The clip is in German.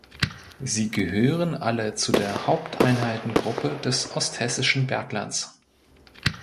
Sie gehören alle zu der Haupteinheitengruppe des „Osthessischen Berglands“.